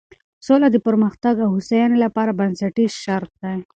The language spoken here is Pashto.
سوله د پرمختګ او هوساینې لپاره بنسټیز شرط دی.